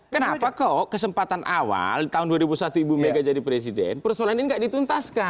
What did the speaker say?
kenapa kok kesempatan awal tahun dua ribu satu ibu mega jadi presiden persoalan ini nggak dituntaskan